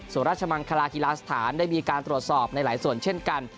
ราชมังคลาฮีลาสถานได้มีการตรวจสอบในหลายส่วนเช่นกัน